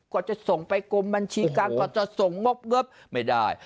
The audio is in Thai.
ก็จะส่งไปกรมบัญชีการก็จะส่งงบไม่ได้